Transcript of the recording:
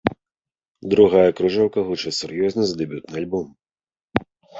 Другая кружэлка гучыць сур'ёзней за дэбютны альбом.